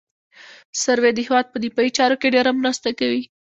سروې د هېواد په دفاعي چارو کې ډېره مرسته کوي